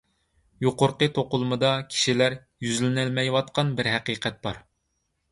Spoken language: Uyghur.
يۇقىرىقى توقۇلمىدا كىشىلەر يۈزلىنەلمەيۋاتقان بىر ھەقىقەت بار.